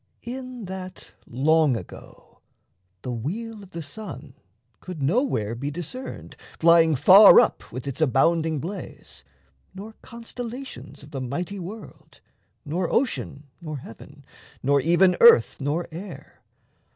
In that long ago The wheel of the sun could nowhere be discerned Flying far up with its abounding blaze, Nor constellations of the mighty world, Nor ocean, nor heaven, nor even earth nor air.